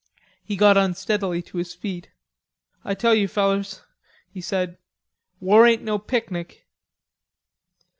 He got unsteadily to his feet. "I tell you, fellers," he said, "war ain't no picnic."